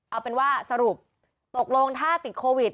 เอาเป็นว่าสรุปตกลงถ้าติดโควิด